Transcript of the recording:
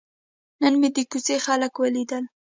نن مې د کوڅې خلک ولیدل.